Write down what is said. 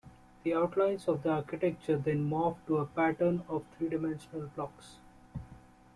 The outlines of the architecture then morph to a pattern of three-dimensional blocks.